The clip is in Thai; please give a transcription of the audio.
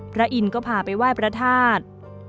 พระอินทร์ก็พาไปไหว้พระทาส